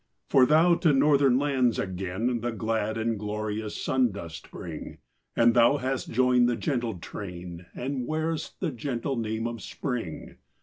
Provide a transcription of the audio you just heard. For thou, to Northern lands again, The glad and glorious sun dost bring, And thou hast joined the gentle train And wear'st the gentle name of Spring.